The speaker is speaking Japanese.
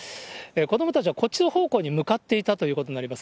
子どもたちはこちら方向に向かっていたということになります。